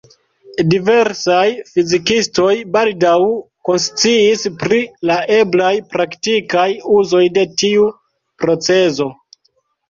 Diversaj fizikistoj baldaŭ konsciis pri la eblaj praktikaj uzoj de tiu procezo.